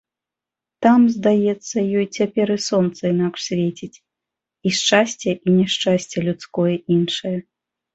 Там, здаецца ёй цяпер, і сонца інакш свеціць, і шчасце, і няшчасце людское іншае.